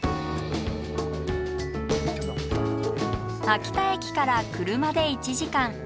秋田駅から車で１時間。